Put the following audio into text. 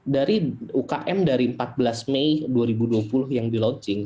dari ukm dari empat belas mei dua ribu dua puluh yang di launching